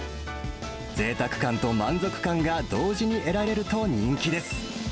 ぜいたく感と満足感が同時に得られると人気です。